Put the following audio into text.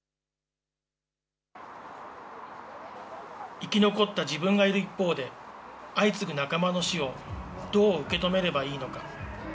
生き残った自分がいる一方で、相次ぐ仲間の死をどう受け止めればいいのか。